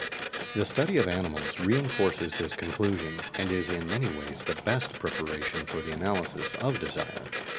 The study of animals reinforces this conclusion, and is in many ways the best preparation for the analysis of desire.